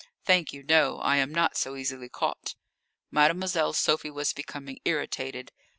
Thank you, no! I am not so easily caught." Mademoiselle Sophie was becoming irritated.